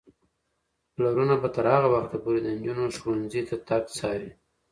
پلرونه به تر هغه وخته پورې د نجونو ښوونځي ته تګ څاري.